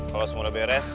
kalo semuanya beres